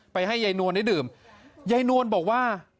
ไปให้ใยนวลได้ดื่มใยนวลบอกว่า